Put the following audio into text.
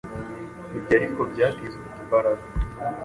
Ibyo ariko byatizwaga imbaraga